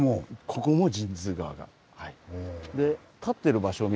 ここも神通川が。